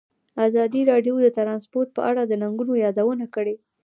ازادي راډیو د ترانسپورټ په اړه د ننګونو یادونه کړې.